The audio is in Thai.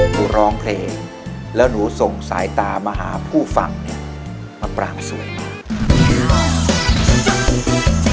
ร้องเพลงแล้วหนูส่งสายตามาหาผู้ฟังเนี่ยมะปรางสวยมาก